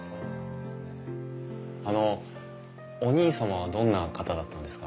あのお兄様はどんな方だったんですか？